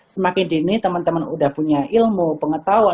semakin dini teman teman udah punya ilmu pengetahuan